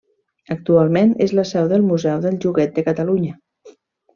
Actualment és la seu del Museu del Joguet de Catalunya.